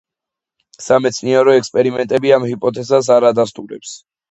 სამეცნიერო ექსპერიმენტები ამ ჰიპოთეზას არ ადასტურებს.